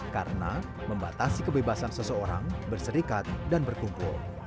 karena membatasi kebebasan seseorang berserikat dan berkumpul